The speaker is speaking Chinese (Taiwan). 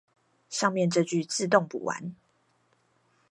上面這句自動補完